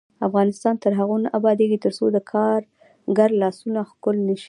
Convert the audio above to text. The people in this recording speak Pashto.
افغانستان تر هغو نه ابادیږي، ترڅو د کارګر لاسونه ښکل نشي.